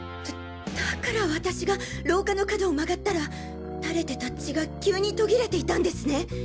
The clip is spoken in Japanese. だだから私が廊下の角を曲がったら垂れてた血が急に途切れていたんですね！